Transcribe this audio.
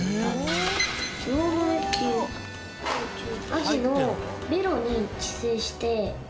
アジのベロに寄生して。